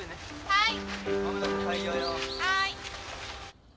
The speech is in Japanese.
はい。